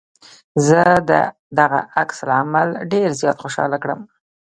زه دغه عکس العمل ډېر زيات خوشحاله کړم.